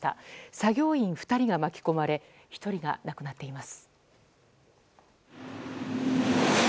作業員２人が巻き込まれ１人が亡くなっています。